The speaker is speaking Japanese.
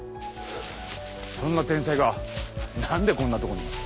そんな天才が何でこんなとこに？